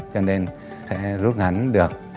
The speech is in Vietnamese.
cho nên sẽ rút ngắn được